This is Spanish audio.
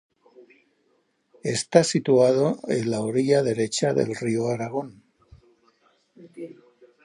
Está situado en la orilla derecha del río Aragón.